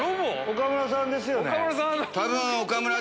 岡村さんですよね。